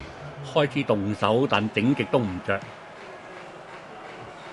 開始動手但整極都唔着